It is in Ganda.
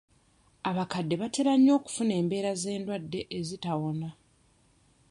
Abakadde batera nnyo okufuna embeera z'endwadde ezitawona.